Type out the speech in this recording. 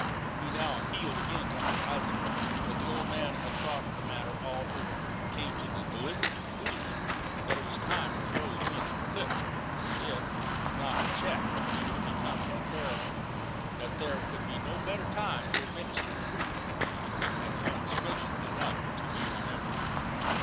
He now appealed again to Uncle Isaac; but the old man had thought the matter all over, and come to the deliberate conclusion that it was time Joe's wings were clipped; that, if not checked, he would become unbearable; that there could be no better time to administer reproof, and one stringent enough to be remembered.